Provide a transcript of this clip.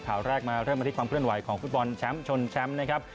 ข่าวแรกมาเริ่มกันที่ความเคลื่อนไหวของฟุตบอลแชมป์ชนแชมป์นะครับ